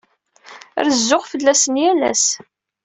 Rezzuɣ fell-asen yal ass.